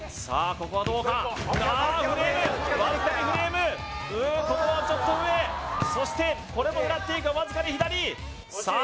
ここはどうかフレームわずかにフレームここはちょっと上そしてこれも狙っているがわずかに左さあ